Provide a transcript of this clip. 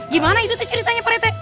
gimana itu teh ceritanya pak rete